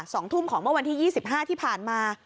สองทุ่มของเมื่อวันที่๒๕ที่ผ่านมา